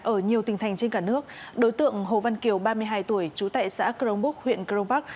ở nhiều tỉnh thành trên cả nước đối tượng hồ văn kiều ba mươi hai tuổi chú tại xã crongbúc huyện crongbac